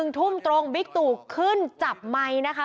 ทุ่มตรงบิ๊กตู่ขึ้นจับไมค์นะคะ